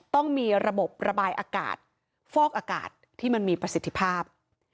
ต้องมีระบบระบายอากาศฟอกอากาศที่มันมีประสิทธิภาพ